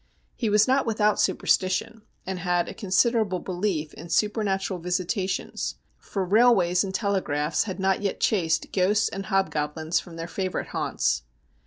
He was not without superstition, and had a considerable belief in supernatural visitations, for railways and telegraphs had not yet chased ghosts and hobgoblins from their favourite haunts.